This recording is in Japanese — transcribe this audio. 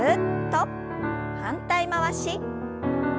反対回し。